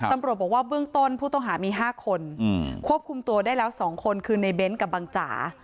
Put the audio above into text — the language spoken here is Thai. ตำรวจบอกว่าเบื้องต้นผู้ต้องหามี๕คนควบคุมตัวได้แล้ว๒คนคือในเบ้นกับบังจ๋า